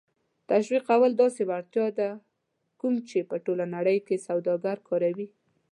تشویقول داسې وړتیا ده کوم چې په ټوله نړۍ کې سوداګر کاروي.